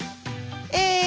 え